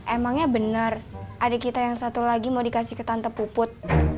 emangnya bener adik kita yang satu lagi mau dikasih ke tante puput